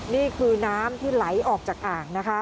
นี่คือน้ำที่ไหลออกจากอ่างนะคะ